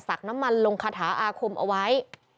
น้ำมันลงคาถาอาคมเอาไว้